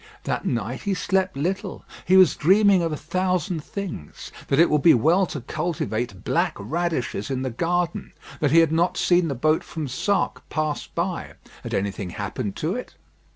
That night he slept little; he was dreaming of a thousand things: that it would be well to cultivate black radishes in the garden; that he had not seen the boat from Sark pass by; had anything happened to it?